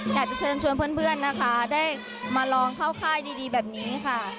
อยากจะเชิญชวนเพื่อนนะคะได้มาลองเข้าค่ายดีแบบนี้ค่ะ